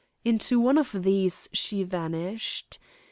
Into one of these she vanished.